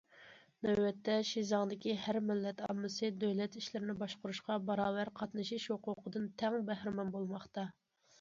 نۆۋەتتە، شىزاڭدىكى ھەر مىللەت ئاممىسى دۆلەت ئىشلىرىنى باشقۇرۇشقا باراۋەر قاتنىشىش ھوقۇقىدىن تەڭ بەھرىمەن بولماقتا.